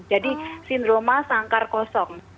jadi sindroma sangkar kosong